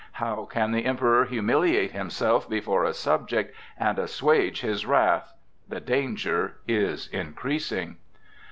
How can the Emperor humiliate himself before a subject and assuage his wrath? The danger is increasing.